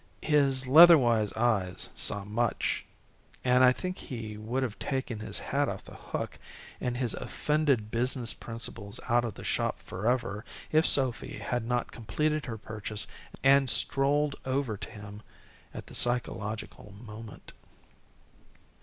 His leather wise eyes saw much, and I think he would have taken his hat off the hook, and his offended business principles out of the shop forever if Sophy had not completed her purchase and strolled over to him at the psychological moment.